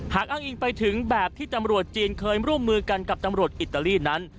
อ้างอิงไปถึงแบบที่ตำรวจจีนเคยร่วมมือกันกับตำรวจอิตาลีนั้น